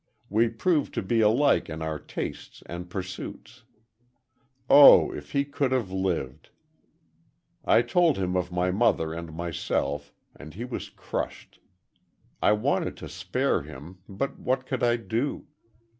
We proved to be alike in our tastes and pursuits. Oh, if he could have lived! I told him of my mother and myself, and he was crushed. I wanted to spare him, but what could I do?